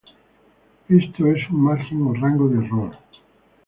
Esto es un margen o rango de error.